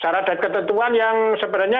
syarat dan ketentuan yang sebenarnya